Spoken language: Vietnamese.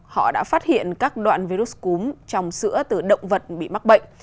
họ đã phát hiện các đoạn virus cúm trong sữa từ động vật bị mắc bệnh